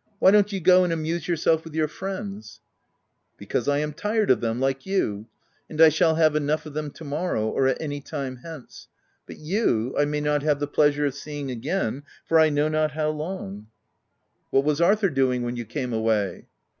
— u Why don't you go and amuse yourself with your friends ?"" Because I am tired of them, like you ; and I shall have enough of them to morrow — or at any time hence ; but you, I may not have the pleasure of seeing again for I know not how tag " What was Arthur doing when you came away?"